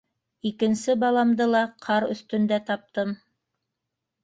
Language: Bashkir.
Икенсе баламды ла ҡар өҫтөндә таптым.